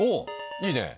いいねえ。